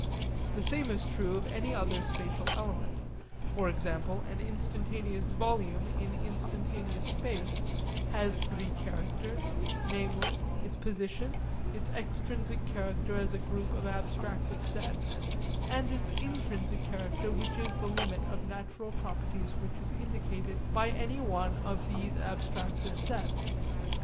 The same is true of any other spatial element. For example an instantaneous volume in instantaneous space has three characters, namely, its position, its extrinsic character as a group of abstractive sets, and its intrinsic character which is the limit of natural properties which is indicated by any one of these abstractive sets.